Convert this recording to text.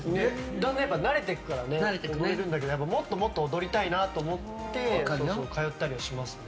だんだん慣れてくるから踊れるんだけどもっともっと踊りたいなと思って通ったりはしますね。